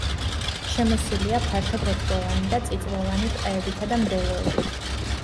შემოსილია ფართოფოთლოვანი და წიწვოვანი ტყეებითა და მდელოებით.